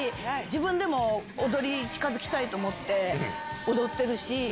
自分でも踊り近づきたいと思って踊ってるし。